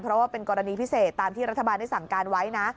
เพราะว่าเป็นกรณีพิเศษตามที่รัฐบาลได้สั่งการไว้นะ